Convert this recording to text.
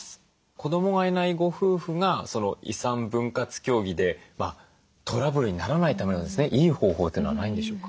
子どもがいないご夫婦が遺産分割協議でトラブルにならないためのいい方法というのはないんでしょうか？